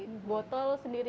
botol sendiri tutup sendiri